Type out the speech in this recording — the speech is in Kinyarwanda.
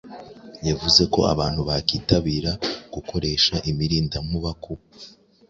yavuze ko abantu bakwitabira gukoresha imirindankuba ku